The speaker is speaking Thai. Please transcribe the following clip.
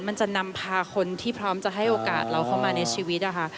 มันจะนำพาคนที่พร้อมจะให้โอกาสเราเข้ามาในชีวิตนะคะ